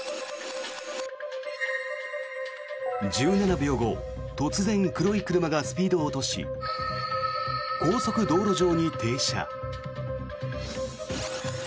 １７秒後突然、黒い車がスピードを落とし高速道路上に停車。